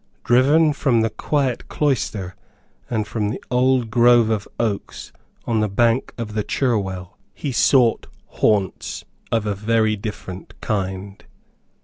Driven from the quiet cloister and the old grove of oaks on the bank of the Cherwell, he sought haunts of a very different kind.